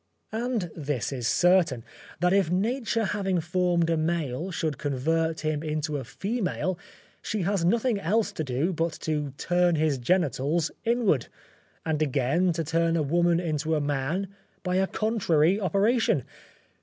And this is certain, that if Nature having formed a male should convert him into a female, she has nothing else to do but to turn his genitals inward, and again to turn a woman into a man by a contrary operation.